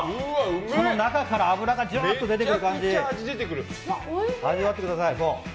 中から脂がジュワッと出てくる感じ味わってください。